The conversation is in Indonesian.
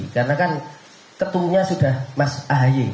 karena kan ketunya sudah mas ahayi